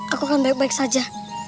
aku akan baik baik saja